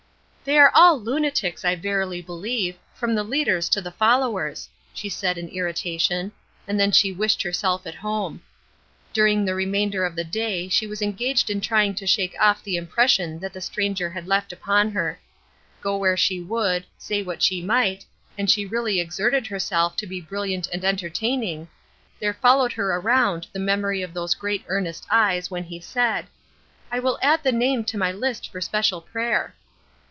"They are all lunatics, I verily believe, from the leaders to the followers," she said in irritation, and then she wished herself at home. During the remainder of the day she was engaged in trying to shake off the impression that the stranger had left upon her. Go where she would, say what she might, and she really exerted herself to be brilliant and entertaining, there followed her around the memory of those great, earnest eyes when he said, "I will add the name to my list for special prayer."